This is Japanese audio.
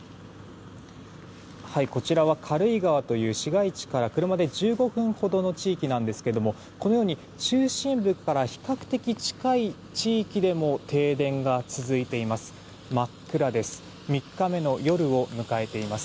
こちらは軽井川という市街地から車で１５分ほどの地域なんですがこのように中心部から比較的近い地域でも停電が続いています。